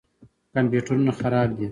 کمپیوټرونه خراب دي.